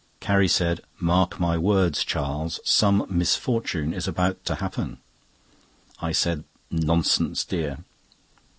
Carrie said: "Mark my words, Charles, some misfortune is about to happen." I said: "Nonsense, dear."